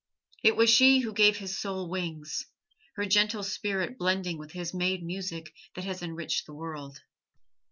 It was she who gave his soul wings: her gentle spirit blending with his made music that has enriched the world.